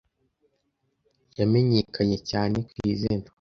yamenyekanye cyane ku izina